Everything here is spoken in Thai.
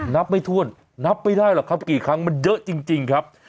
นับไม่ถ้วนนับไม่ได้หรอกครับกี่ครั้งมันเยอะจริงครับ